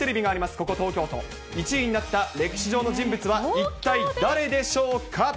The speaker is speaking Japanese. ここ、東京都、１位になった歴史上の人物は一体誰でしょうか。